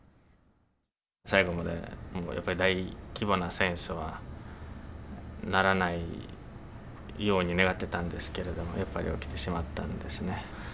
最後までやっぱり大規模な戦争にならないように願ってたんですけれども、やっぱり起きてしまったんですね。